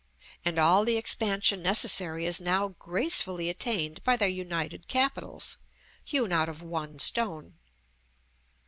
and all the expansion necessary is now gracefully attained by their united capitals, hewn out of one stone.